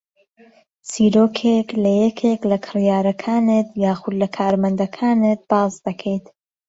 چیرۆکێک لە یەکێک لە کڕیارەکانت یاخوود لە کارمەندەکانت باس دەکەیت